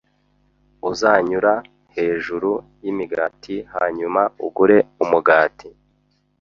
Uzanyura hejuru yimigati hanyuma ugure umugati?